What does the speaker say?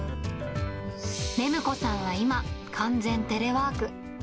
レムコさんは今、完全テレワーク。